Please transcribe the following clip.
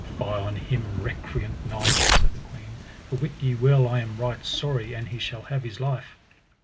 Fie on him, recreant knight, said the queen, for wit ye well I am right sorry an he shall have his life.